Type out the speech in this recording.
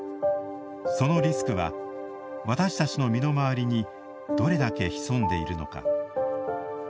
そのリスクは私たちの身の回りにどれだけ潜んでいるのか。